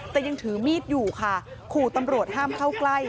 แต่ยังถือมีดอยู่ค่ะขู่ตำรวจห้ามเข้าใกล้